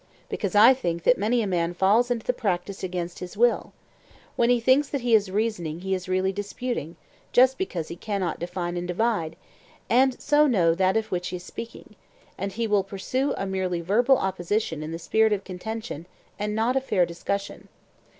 Because I think that many a man falls into the practice against his will. When he thinks that he is reasoning he is really disputing, just because he cannot define and divide, and so know that of which he is speaking; and he will pursue a merely verbal opposition in the spirit of contention and not of fair discussion.